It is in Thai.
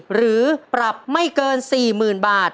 หรือปรับไม่เกิน๔หมื่นบาท